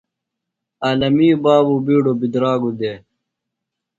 عالمیۡ بابوۡ بِیڈوۡ بِدراگوۡ دےۡ ۔